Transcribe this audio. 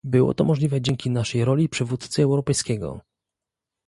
Było to możliwe dzięki naszej roli przywódcy europejskiego